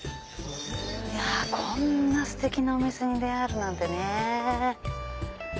いやこんなステキなお店に出会えるなんてね。